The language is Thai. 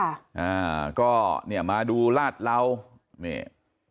อ่าก็เนี่ยมาดูลาดเหลานี่